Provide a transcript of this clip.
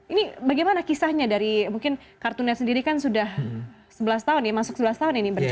ini bagaimana kisahnya dari mungkin kartunnya sendiri kan sudah sebelas tahun ya masuk sebelas tahun ini berjalan